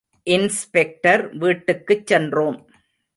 Inspector வீட்டுக்குச் சென்றோம்.